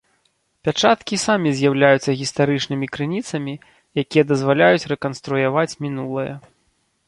Пячаткі і самі з'яўляюцца гістарычнымі крыніцамі, якія дазваляюць рэканструяваць мінулае.